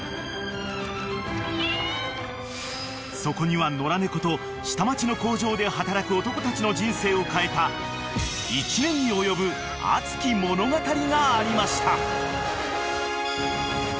［そこには野良猫と下町の工場で働く男たちの人生を変えた１年に及ぶ熱き物語がありました］